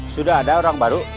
sudah ada orang baru